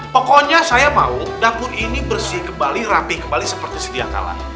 pokoknya saya mau dapur ini bersih kembali rapi kembali seperti sedia kala